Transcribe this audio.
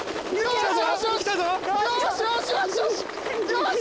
よしよしよし。